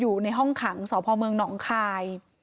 อยู่ในห้องขังสพเมืองหนองคาย